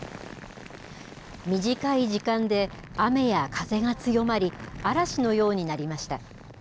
短い時間で雨や風が強まり、嵐のようになりました。